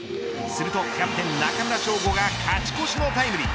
するとキャプテン中村奨吾が勝ち越しのタイムリー。